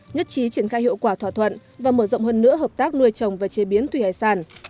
nhất trí triển khai hiệu quả thỏa thuận và mở rộng hơn nữa hợp tác nuôi trồng và chế biến thủy hải sản